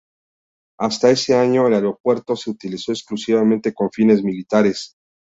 Hasta ese año, el aeropuerto se utilizó exclusivamente con fines militares.